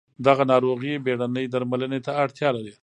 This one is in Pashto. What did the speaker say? دغه ناروغي بېړنۍ درملنې ته اړتیا لري.